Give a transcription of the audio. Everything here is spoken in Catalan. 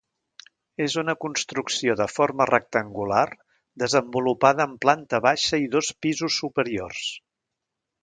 És una construcció de forma rectangular desenvolupada en planta baixa i dos pisos superiors.